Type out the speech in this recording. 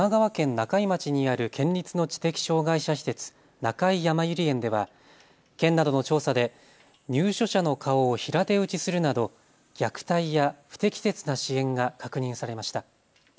中井町にある県立の知的障害者施設、中井やまゆり園では県などの調査で入所者の顔を平手打ちするなど虐待や不適切な支援が確認されました。